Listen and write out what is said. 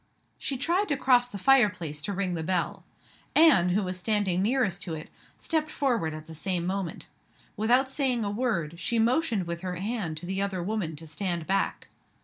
She tried to cross the fire place to ring the bell. Anne, who was standing nearest to it, stepped forward at the same moment. Without saying a word, she motioned with her hand to the other woman to stand back.